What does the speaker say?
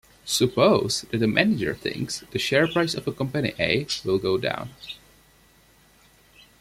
Suppose that a manager thinks the share price of company A will go down.